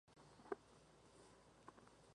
Kim es la medio-hermana menor del actor Kim Soo-hyun.